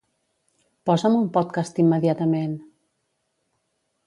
Posa'm un podcast immediatament.